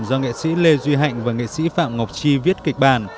do nghệ sĩ lê duy hạnh và nghệ sĩ phạm ngọc chi viết kịch bản